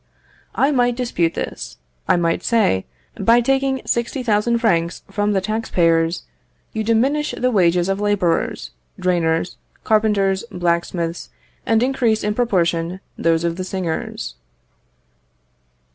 I might dispute this; I might say, by taking 60,000 francs from the tax payers, you diminish the wages of labourers, drainers, carpenters, blacksmiths, and increase in proportion those of the singers.